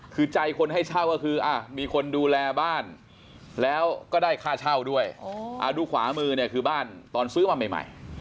คือใจคนให้เช่าก็คือมีคนดูแลบ้านแล้วก็ได้ค่าเช่าด้วยดูขวามือเนี่ยคือบ้านตอนซื้อมาใหม่